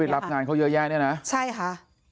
รับงานเขาเยอะแยะเนี่ยนะใช่ค่ะ